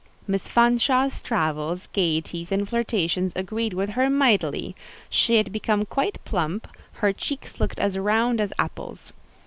Miss Fanshawe's travels, gaieties, and flirtations agreed with her mightily; she had become quite plump, her cheeks looked as round as apples.